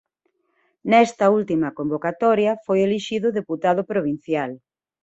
Nesta última convocatoria foi elixido deputado provincial.